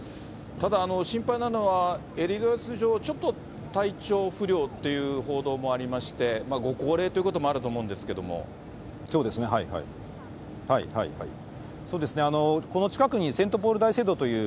ただ心配なのは、エリザベス女王、ちょっと体調不良っていう報道もありまして、ご高齢ということもそうですね、この近くにセントポール大聖堂という、